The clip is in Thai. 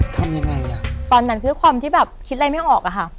ทำยังไงโดยความที่คจิอะไรไม่ออก